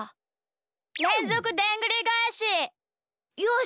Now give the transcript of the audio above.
れんぞくでんぐりがえし！よし！